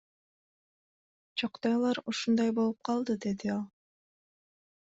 Жагдайлар ушундай болуп калды, — деди ал.